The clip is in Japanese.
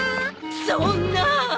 そんなあ！